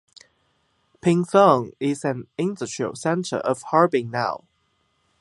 Pingfang is an industrial center of Harbin now.